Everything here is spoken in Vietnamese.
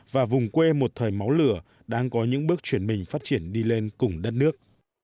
và vùng quê một thời máu lửa đang có những bước chuyển mình phát triển đi lên cùng đất nước